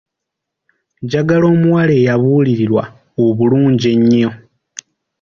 Njagala omuwala eyabuulirirwa obulungi ennyo.